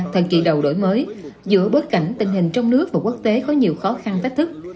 thời kỳ đầu đổi mới giữa bối cảnh tình hình trong nước và quốc tế có nhiều khó khăn tách thức